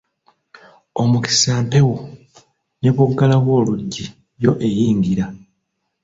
Omukisa mpewo, ne bw'oggalawo oluggi yo eyingira.